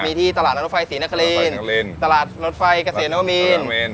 มีที่ตลาดนรถไฟศรีนครีนนรถไฟศรีนตลาดนรถไฟเกษตรน้องมีนนรถน้องมีน